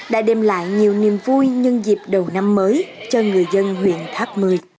đã đem lại nhiều niềm vui nhân dịp đầu năm mới cho người dân huyện tháp một mươi